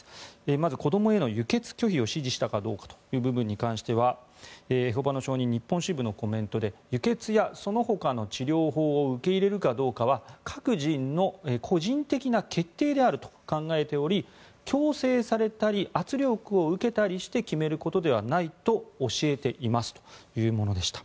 まず、子どもへの輸血拒否を指示したかどうかについてはエホバの証人日本支部のコメントで輸血やそのほかの治療法を受け入れるかどうかは各人の個人的な決定であると考えており強制されたり圧力を受けたりして決めることではないと教えていますというものでした。